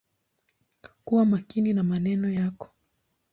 Kuwa makini na maneno yako.